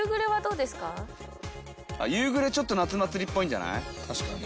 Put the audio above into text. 夕暮れちょっと夏祭りっぽいんじゃない？